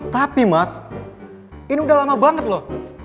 tapi mas ini udah lama banget loh